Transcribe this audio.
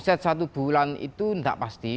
set satu bulan itu tidak pasti